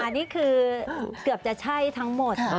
นี่คือเกือบจะใช่ทั้งหมด